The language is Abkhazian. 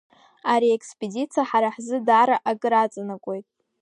Ари аекспедициа ҳара ҳзы даара акыр аҵанакуеит.